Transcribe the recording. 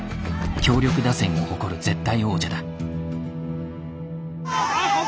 強力打線を誇る絶対王者だ。